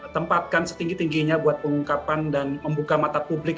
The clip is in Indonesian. tempatkan setinggi tingginya buat pengungkapan dan membuka mata publik